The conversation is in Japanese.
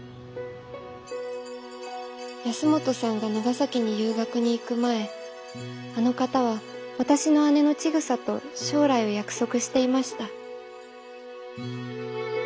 保本さんが長崎に遊学に行く前あの方は私の姉のちぐさと将来を約束していました。